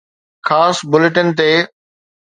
خاص بليٽن تي